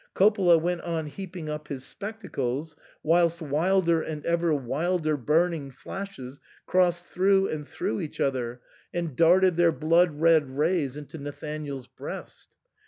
Coppola went on heaping up his spectacles, whilst wilder and ever wilder burning flashes crossed through and through each other and darted their blood red rays into Nathanael's breast.